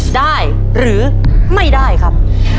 ได้หรือไม่ได้ครับ